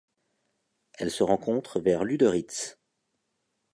Elle se rencontre vers Lüderitz.